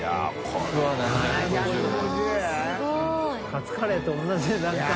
カツカレーと同じ値段か。